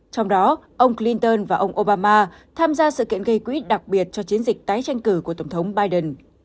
trong đó ông clinton và ông obama tham gia sự kiện gây quỹ đặc biệt cho chiến dịch tái tranh cử của tổng thống biden